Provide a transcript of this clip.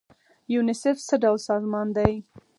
یونیسف څه ډول سازمان دی؟